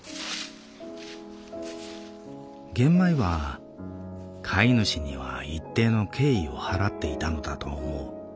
「ゲンマイは飼い主には一定の敬意を払っていたのだと思う」。